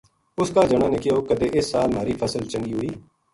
اُس کا جنا نے کہیو کدے اس سال مھاری فصل چنگی ہوئی